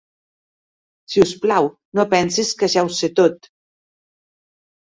Si us plau, no pensis que ja ho sé tot.